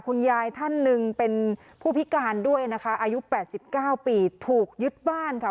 คุณยายท่านหนึ่งเป็นผู้พิการด้วยนะคะอายุ๘๙ปีถูกยึดบ้านค่ะ